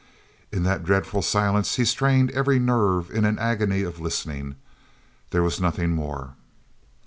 In that dreadful silence he strained every nerve in an agony of listening. There was nothing more.